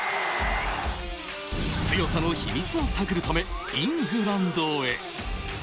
強さの秘密を探るため、イングランドへ。